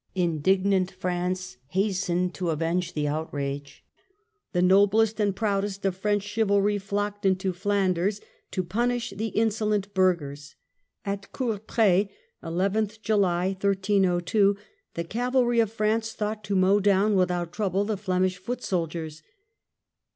Indignant France hastened to avenge the outrage ; the noblest and proudest of French chivalry flocked into Flanders to punish the insolent burghers. At Courtrai the cavalrj^ of France thought to mow down without trouble the Flemish foot soldiers.